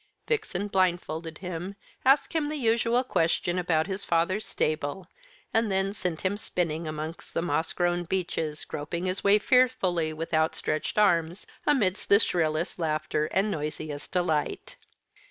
Vixen blindfolded him, asked him the usual question about his father's stable, and then sent him spinning amongst the moss grown beeches, groping his way fearfully, with outstretched arms, amidst shrillest laughter and noisiest delight.